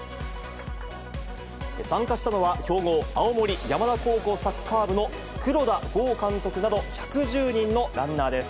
参加したのは、強豪、青森山田高校サッカー部の黒田剛監督など１１０人のランナーです。